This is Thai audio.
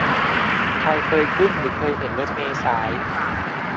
ใครเคยขึ้น หรือ เคยเห็นรถเมล์สาย